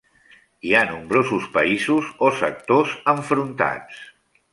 Hi ha nombrosos països o sectors enfrontats.